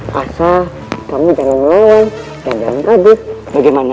bisa kamu jalan lewat dan jangan kabut bagaimana